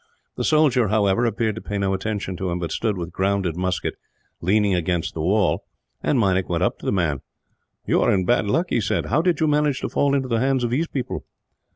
The soldier, however, appeared to pay no attention to him; but stood with grounded musket, leaning against the wall, and Meinik went up to the man. "You are in bad luck," he said. "How did you manage to fall into the hands of these people?"